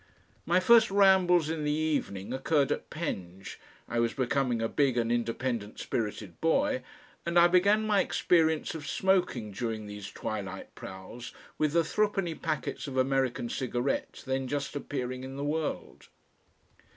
My first rambles in the evening occurred at Penge I was becoming a big and independent spirited boy and I began my experience of smoking during these twilight prowls with the threepenny packets of American cigarettes then just appearing in the world.